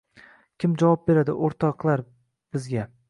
Kim javob beradi, o’rtoqlar bizga?..